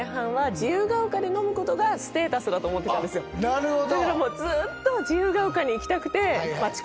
なるほど。